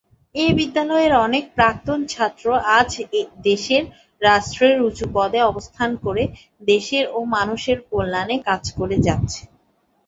এ বিদ্যালয়ের অনেক প্রাক্তন ছাত্র আজ দেশের রাষ্ট্রের উঁচু পদে অবস্থান করে দেশের ও মানুষের কল্যাণে কাজ করে যাচ্ছে।